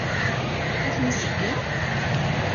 Ad ten-iseggem?